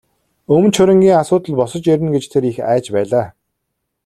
Өмч хөрөнгийн асуудал босож ирнэ гэж тэр их айж байлаа.